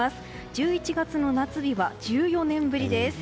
１１月の夏日は１４年ぶりです。